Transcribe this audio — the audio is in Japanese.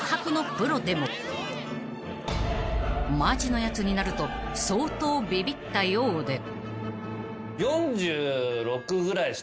［マジのやつになると相当ビビったようで］